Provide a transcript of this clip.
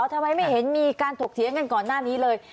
ทำไมไม่เห็นมีการถกเถียงกันก่อนหน้านี้เลย